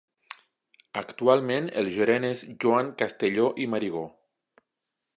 Actualment el gerent és Joan Castelló i Marigó.